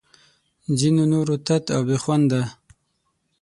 ځینو نورو تت او بې خونده